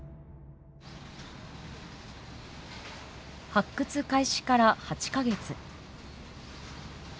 発掘開始から８か月。